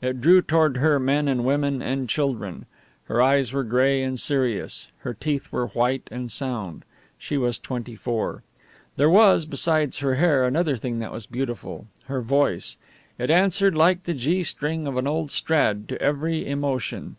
It drew toward her men and women and children. Her eyes were gray and serious; her teeth were white and sound. She was twenty four. There was, besides her hair, another thing that was beautiful her voice. It answered like the G string of an old Strad to every emotion.